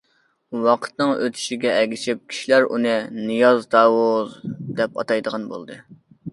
ۋاقىتنىڭ ئۆتىشىگە ئەگىشىپ، كىشىلەر ئۇنى‹‹ نىياز تاۋۇز›› دەپ ئاتايدىغان بولدى.